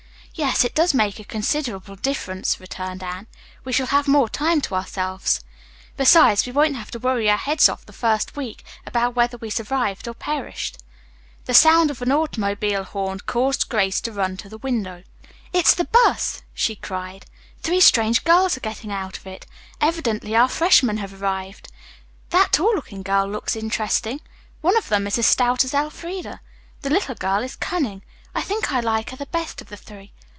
"Yes, it does make considerable difference," returned Anne. "We shall have more time to ourselves. Besides, we won't have to worry our heads off the first week about whether we survived or perished." The sound of an automobile horn caused Grace to run to the window. "It's the bus!" she cried. "Three strange girls are getting out of it. Evidently our freshmen have arrived. That tall girl looks interesting. One of them is as stout as Elfreda. The little girl is cunning. I think I like her the best of the three.